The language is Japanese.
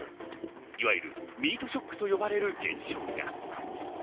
いわゆるミートショックと呼ばれる現象が。